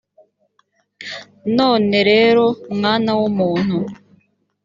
none rero mwana w umuntu